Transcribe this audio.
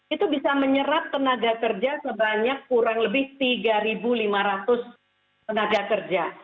itu bisa menyerap tenaga kerja sebanyak kurang lebih tiga lima ratus tenaga kerja